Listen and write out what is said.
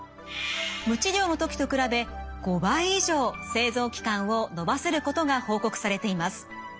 無治療の時と比べ５倍以上生存期間を延ばせることが報告されています。